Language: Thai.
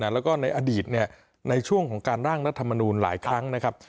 แล้วก็ในอดีตในช่วงของการร่างรัฐมนูลหลายครั้งนะครับ